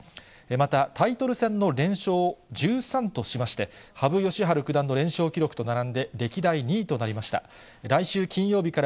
また、タイトル戦の連勝を１３としまして、羽生善治九段の連勝記録と並んで、歴代２位となりました。